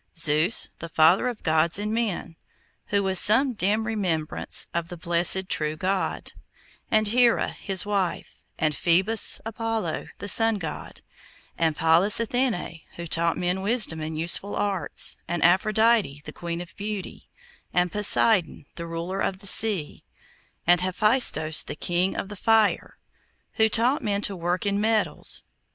Zeus, the Father of gods and men (who was some dim remembrance of the blessed true God), and Hera his wife, and Phoebus Apollo the Sun god, and Pallas Athené who taught men wisdom and useful arts, and Aphrodite the Queen of Beauty, and Poseidon the Ruler of the Sea, and Hephaistos the King of the Fire, who taught men to work in metals.